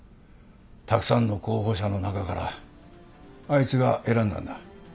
たくさんの候補者の中からあいつが選んだんだ。